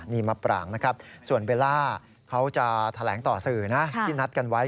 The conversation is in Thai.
นี่มปรังส่วนเบลล่าเขาจะแถลงต่อสื่อที่นัดกันไว้